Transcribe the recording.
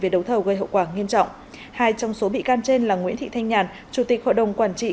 về đấu thầu gây hậu quả nghiêm trọng hai trong số bị can trên là nguyễn thị thanh nhàn chủ tịch hội đồng quản trị